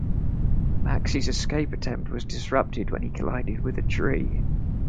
Maxie's escape attempt was disrupted when he collided with a tree.